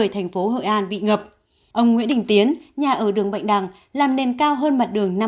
thành phố hội an bị ngập ông nguyễn đình tiến nhà ở đường bạch đằng làm nền cao hơn mặt đường